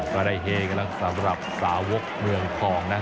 ก็ได้เฮกันแล้วสำหรับสาวกเมืองทองนะ